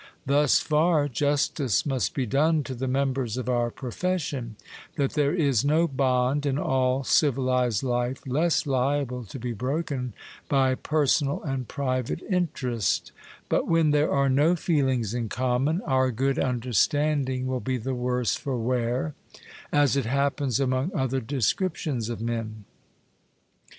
Thus far justice must be done to the members of our profession, that there is no bond in all civilized life less liable to be broken by personal and private interest ; but when there are no feelings in common, our good understanding will be the worse for wear, as it happens among other descriptions of men.